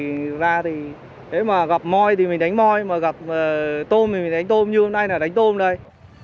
nếu mà gặp môi thì mình đánh môi mà gặp tôm thì mình đánh tôm như hôm nay là đánh tôm đây